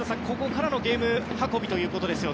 ここからのゲーム運びという。